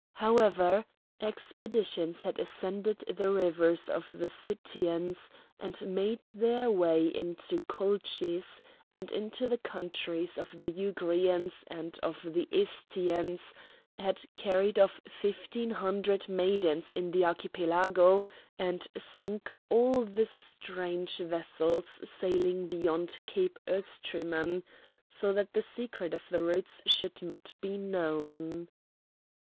However, expeditions had ascended the rivers of the Scythians, had made their way into Colchis, and into the countries of the Jugrians and of the Estians, had carried off fifteen hundred maidens in the Archipelago, and sunk all the strange vessels sailing beyond Cape Oestrymon, so that the secret of the routes should not be known.